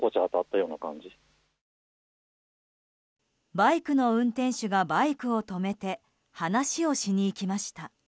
バイクの運転手がバイクを止めて話をしに行きました。